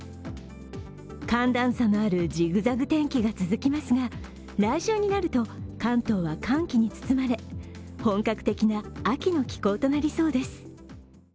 寒暖差のあるジグザグ天気が続きますが来週になると関東は寒気に包まれ本格的な秋の気候となりそうです。